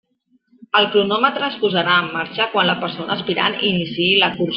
El cronòmetre es posarà en marxa quan la persona aspirant iniciï la cursa.